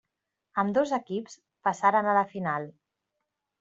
Ambdós equips passaren a la final.